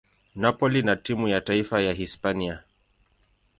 Napoli na timu ya taifa ya Hispania.